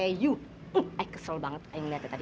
saya kesel sekali saya melihatnya tadi